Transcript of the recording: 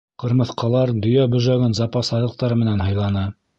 Ҡырмыҫҡалар Дөйә бөжәген запас аҙыҡтары менән һыйланы.